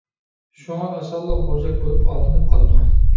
شۇڭا ئاسانلا بوزەك بولۇپ ئالدىنىپ قالىدۇ.